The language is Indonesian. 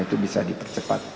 itu bisa dipercepat